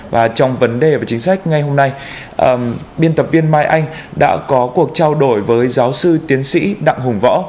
và trong vấn đề về chính sách ngày hôm nay biên tập viên mai anh đã có cuộc trao đổi với giáo sư tiến sĩ đặng hùng võ